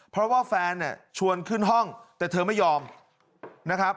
เพราะว่าแฟนเนี่ยชวนขึ้นห้องแต่เธอไม่ยอมนะครับ